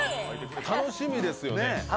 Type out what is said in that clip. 楽しみですよね。